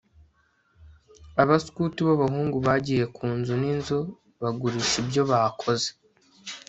abaskuti b'abahungu bagiye ku nzu n'inzu bagurisha ibyo bakoze